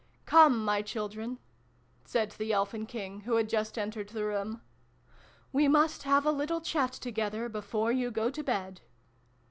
" Come, my children !" said the Elfin King, who had just entered the room. " We must have a little chat together, before you go to bed."